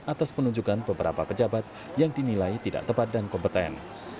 atas penunjukan beberapa pejabat yang dinilai tidak tepat dan kompeten